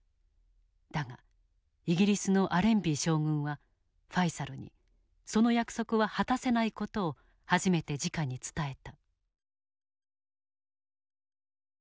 だがイギリスのアレンビー将軍はファイサルにその約束は果たせない事を初めてじかに伝えた。